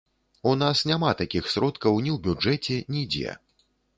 У нас няма такіх сродкаў, ні ў бюджэце, нідзе.